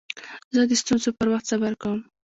زه د ستونزو پر وخت صبر کوم.